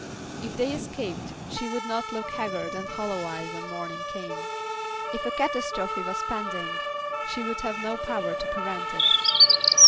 If they escaped she would not look haggard and hollow eyed when morning came. If a catastrophy was pending she would have no power to prevent it.